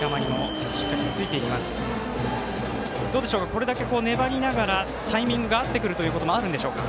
これだけ粘りながらタイミングが合ってくるということもあるんでしょうか。